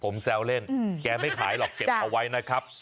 ผมแซวเล่นแกไม่ขายหรอกเก็บเอาไว้นะครับ